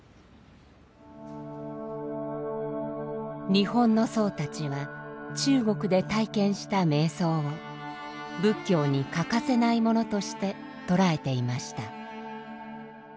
日本の僧たちは中国で体験した瞑想を仏教に欠かせないものとして捉えていました。